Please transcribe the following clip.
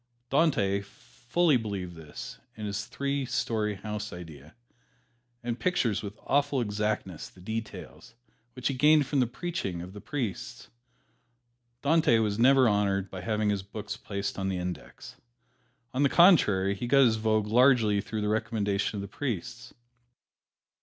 Dante fully believed in this three story house idea, and pictures with awful exactness the details, which he gained from the preaching of the priests. Dante was never honored by having his books placed on the "Index." On the contrary, he got his vogue largely through the recommendation of the priests.